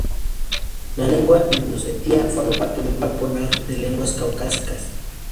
La lengua ingusetia forma parte del grupo naj de lenguas caucásicas.